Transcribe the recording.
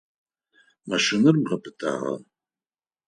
Машинэр бгъапытагъа?